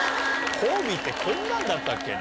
ホーミーってこんなんだったっけな。